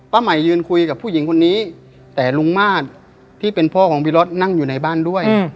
ใหม่ยืนคุยกับผู้หญิงคนนี้แต่ลุงมาสที่เป็นพ่อของพี่รถนั่งอยู่ในบ้านด้วย